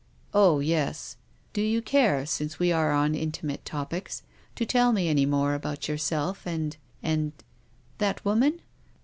" Oh, yes. Do you care, since we are on inti mate topics, to tell me any more about yourself and — and —"" That woman